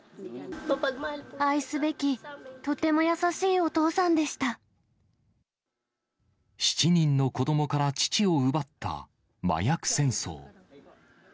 愛すべき、とても優しいお父７人の子どもから父を奪った麻薬戦争。